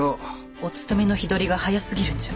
お盗めの日取りが早すぎるんじゃ。